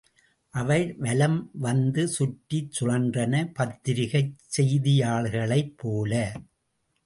அவை வலம் வந்து சுற்றிச் சுழன்றன பத்திரிகைச் செய்தியாளர்களைப் போல.